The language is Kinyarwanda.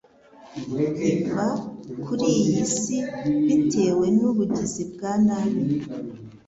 iva kuri iyi si bitewe n’ubugizi bwa nabi